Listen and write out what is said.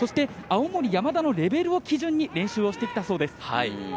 青森山田のレベルを基準に練習をしてきたそうです。